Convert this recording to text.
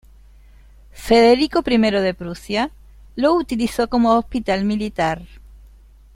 Federico I de Prusia lo utilizó como hospital militar.